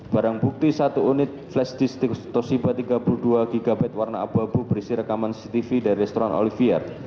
barang bukti satu unit flash tosiba tiga puluh dua gb warna abu abu berisi rekaman cctv dari restoran olivier